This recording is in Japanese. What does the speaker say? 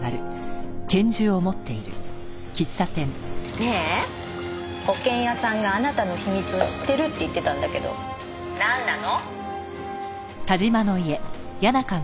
ねえ保険屋さんがあなたの秘密を知ってるって言ってたんだけどなんなの？